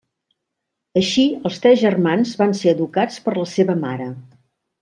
Així, els tres germans van ser educats per la seva mare.